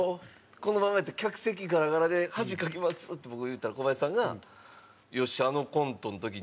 「このままやったら客席ガラガラで恥かきます」って僕が言うたらコバヤシさんが「よっしゃあのコントの時に」。